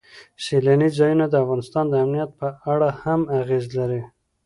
سیلانی ځایونه د افغانستان د امنیت په اړه هم اغېز لري.